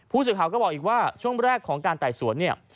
ผู้สื่อข่าวก็บอกอีกว่าช่วงแรกของการไต่สวนเนี่ย